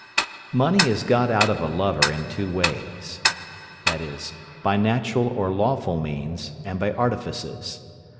Money is got out of a lover in two ways, viz.: By natural or lawful means, and by artifices.